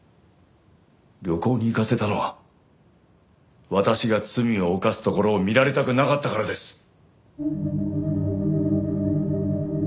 旅行に行かせたのは私が罪を犯すところを見られたくなかったからです。